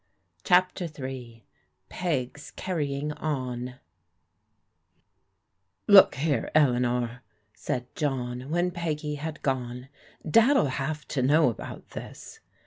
it CHAPTER ra PEG'S CARRYING ON OOK here, Eleanor/' said John when Peggy had gone, " Dad'U have to loiow about this."